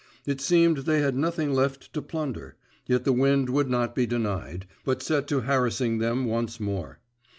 It seemed they had nothing left to plunder; yet the wind would not be denied, but set to harassing them once more.